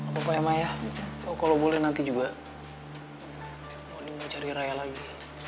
gapapa ya ma ya kalau boleh nanti juga muni mau cari raya lagi